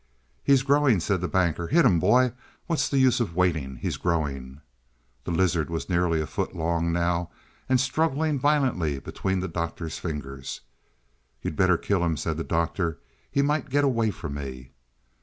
"He's growing," said the Banker. "Hit him, boy, what's the use of waiting; he's growing." The lizard was nearly a foot long now, and struggling violently between the Doctor's fingers. "You'd better kill him," said the Doctor, "he might get away from me."